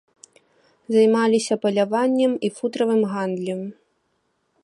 Займаліся паляваннем і футравым гандлем.